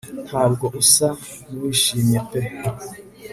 Ntabwo usa nuwishimye pe